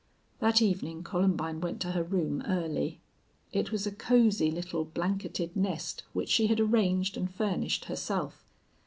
That evening Columbine went to her room early. It was a cozy little blanketed nest which she had arranged and furnished herself.